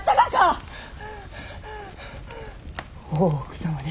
大奥様に。